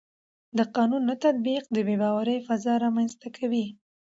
د قانون نه تطبیق د بې باورۍ فضا رامنځته کوي